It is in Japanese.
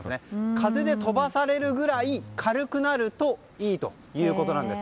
風で飛ばされるぐらい軽くなるといいということです。